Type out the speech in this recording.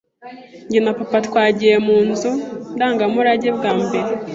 Jye na papa twagiye mu nzu ndangamurage bwa mbere.